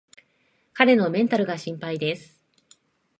彼のメンタルが心配です